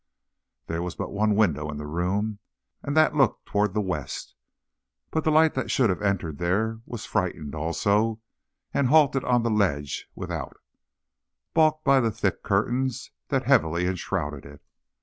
There was but one window in the room, and that looked toward the west. But the light that should have entered there was frightened, also, and halted on the ledge without, balked by the thick curtains that heavily enshrouded it.